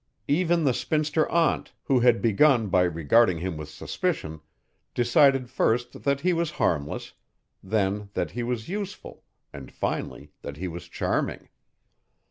Even the spinster aunt, who had begun by regarding him with suspicion, decided first that he was harmless, then that he was useful and finally that he was charming.